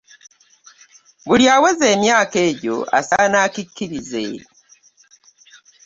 Buli awezezza emyaka egyo asaana akkirize.